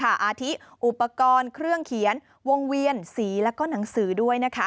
อาทิอุปกรณ์เครื่องเขียนวงเวียนสีแล้วก็หนังสือด้วยนะคะ